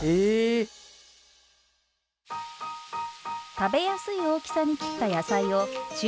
食べやすい大きさに切った野菜を中火で炒めます。